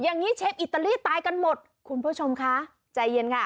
อย่างนี้เชฟอิตาลีตายกันหมดคุณผู้ชมคะใจเย็นค่ะ